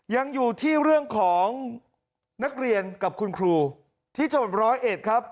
ยังอยู่ที่เรื่องของนักเรียนกับคุณครูที่จบ๑๐๑ครับ